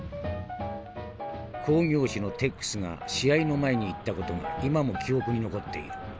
「興業主のテックスが試合の前に言った事が今も記憶に残っている。